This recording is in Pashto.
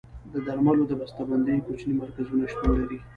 د درملو د بسته بندۍ کوچني مرکزونه شتون لري.